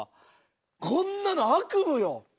こんなの悪夢よ。